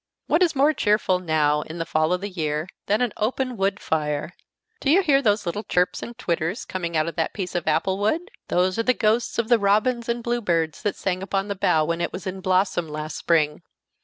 "What is more cheerful, now, in the fall of the year, than an open wood fire? Do you hear those little chirps and twitters coming out of that piece of apple wood? Those are the ghosts of the robins and bluebirds that sang upon the bough when it was in blossom last spring.